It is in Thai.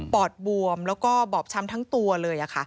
อดบวมแล้วก็บอบช้ำทั้งตัวเลย